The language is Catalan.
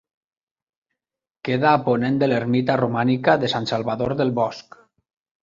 Queda a ponent de l'ermita romànica de Sant Salvador del Bosc.